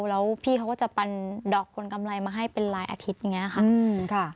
แล้วพี่เขาก็จะปันดอกคนกำไรมาให้เป็นรายอาทิตย์อย่างนี้ค่ะ